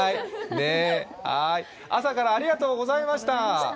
朝からありがとうございました。